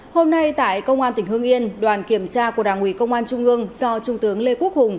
hôm nay tại công an tỉnh hương yên đoàn kiểm tra của đảng ủy công an trung ương do trung tướng lê quốc hùng